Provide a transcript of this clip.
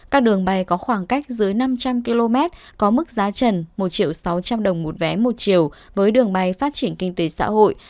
các đường bay có khoảng cách dưới năm trăm linh km có mức giá trần một sáu trăm linh đồng một vé một chiều với đường bay phát triển kinh tế xã hội